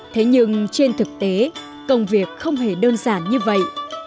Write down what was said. thế nhưng trên thực tế công việc không hề đơn giản như vậy